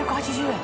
８８０円？